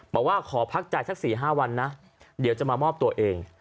บอกว่าขอพักใจสัก๔๕วันนะเดี๋ยวจะมามอบตัวเอง